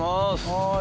はい。